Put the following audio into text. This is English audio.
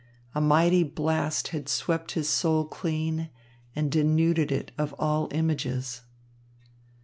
A mighty blast had swept his soul clean and denuded it of all images.